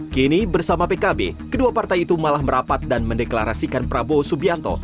kini bersama pkb kedua partai itu malah merapat dan mendeklarasikan prabowo subianto